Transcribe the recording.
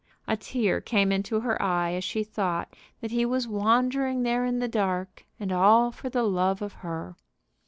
A tear came into her eye as she thought that he was wandering there in the dark, and all for the love of her.